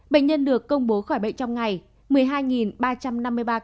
bệnh nhân được công bố khỏi bệnh trong ngày một mươi hai ba trăm năm mươi ba ca